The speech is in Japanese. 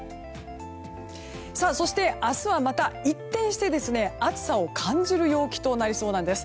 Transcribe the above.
そして、明日はまた一転して暑さを感じる陽気となりそうです。